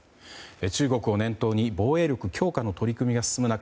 中国を念頭に防衛力強化の取り組みが進む中